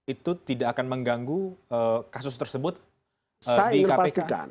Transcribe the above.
itu tidak akan mengganggu kasus tersebut di kpk